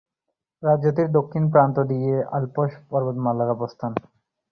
রাজ্যটির দক্ষিণ প্রান্ত দিয়ে আল্পস পর্বতমালার অবস্থান।